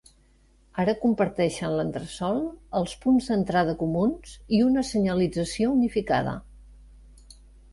Ara comparteixen l'entresol, els punts d'entrada comuns i una senyalització unificada.